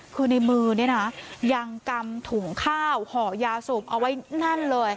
คือในมือเนี่ยนะยังกำถุงข้าวห่อยาสูบเอาไว้แน่นเลย